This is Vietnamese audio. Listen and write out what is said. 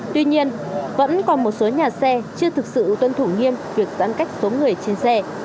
tuy nhiên vẫn còn một số nhà xe chưa thực sự tuân thủ nghiêm việc giãn cách số người trên xe